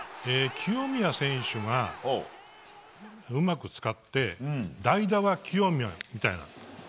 清宮選手をうまく使って代打は清宮みたいな。